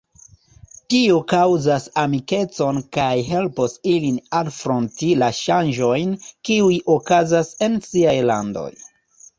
Tio kaŭzas amikecon kaj helpos ilin alfronti la ŝanĝojn, kiuj okazas en siaj landoj.